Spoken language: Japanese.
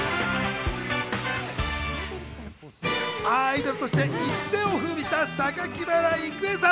アイドルとして一世を風靡した榊原郁恵さん。